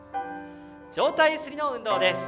上体ゆすりの運動。